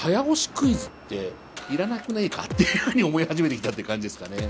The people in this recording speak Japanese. クイズって要らなくねえかっていうふうに思い始めてきたって感じですかね。